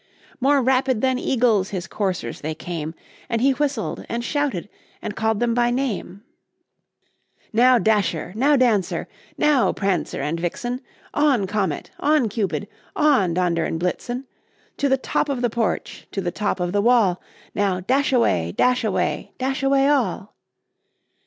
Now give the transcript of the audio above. More rapid than eagles his coursers they came, And he whistled, and shouted, and called them by name; "Now, Dasher! now, Dancer! now, Prancer and Vixen! On! Comet, on! Cupid, on! Dunder and Blitzen To the top of the porch, to the top of the wall! Now, dash away, dash away, dash away all!"